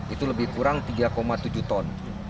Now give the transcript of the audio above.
itu lebih kurang tiga tujuh ton